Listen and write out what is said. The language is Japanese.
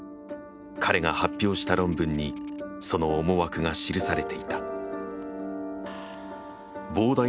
彼が発表した論文にその思惑が記されていた。